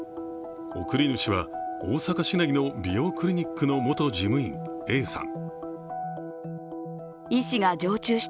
送り主は大阪市内の美容クリニックの元事務員、Ａさん。